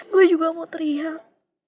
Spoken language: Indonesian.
gue juga mau teriak